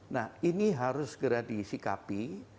nah ini harus segera disikapi